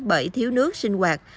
bởi thiếu nước sinh hoạt